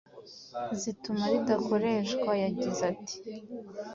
zituma ridakoreshwa. Yagize ati “